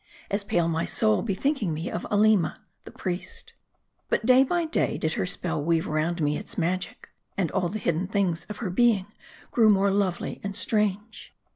As pale my soul, bethinking me of Aleema the priest. But day by day, did her spell weave round me its magic, and all the hidden things of her being grew more lovely and strange.